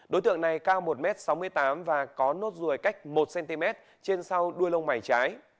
đối tượng này cao một m sáu mươi tám và có nốt ruồi cách một cm trên sau đuôi lông mày trái